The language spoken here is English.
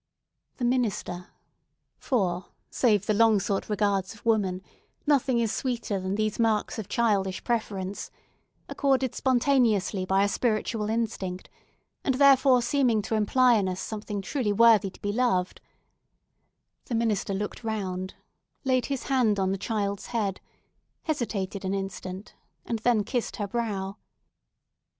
The minister—for, save the long sought regards of woman, nothing is sweeter than these marks of childish preference, accorded spontaneously by a spiritual instinct, and therefore seeming to imply in us something truly worthy to be loved—the minister looked round, laid his hand on the child's head, hesitated an instant, and then kissed her brow.